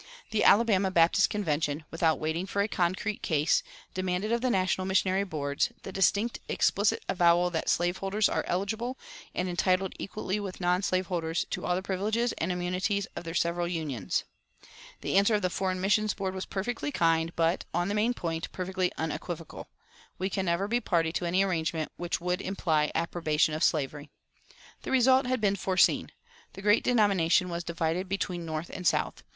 The Alabama Baptist Convention, without waiting for a concrete case, demanded of the national missionary boards "the distinct, explicit avowal that slave holders are eligible and entitled equally with non slave holders to all the privileges and immunities of their several unions." The answer of the Foreign Mission Board was perfectly kind, but, on the main point, perfectly unequivocal: "We can never be a party to any arrangement which would imply approbation of slavery." The result had been foreseen. The great denomination was divided between North and South.